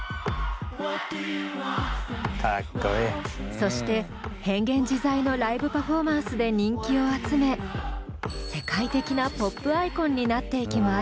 そして変幻自在のライブパフォーマンスで人気を集め世界的なポップアイコンになっていきます。